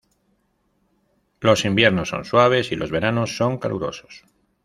Los inviernos son suaves y los veranos son calurosos.